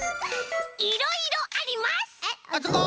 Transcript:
いろいろあります！ズコ！